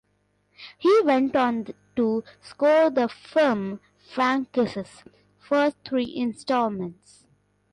He went on to score the film franchise's first three installments.